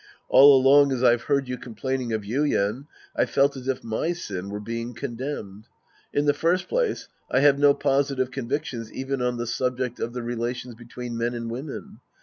All along as I've heard you complaining of Yuien, I've felt as if my sin were being condemned. In the first place, I have no positive convictions even on the subject of the relations be tween men and women.